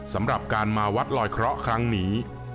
สำหรับการมาวัดลอยเคราะห์ครั้งนี้